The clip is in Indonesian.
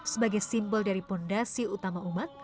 sebagai simbol dari fondasi utama umat